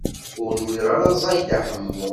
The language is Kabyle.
Ur nwiɣ ara ẓẓay Dda Ḥemmu.